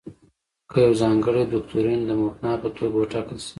که یو ځانګړی دوکتورین د مبنا په توګه وټاکل شي.